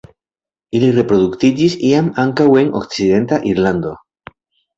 Ili reproduktiĝis iam ankaŭ en okcidenta Irlando.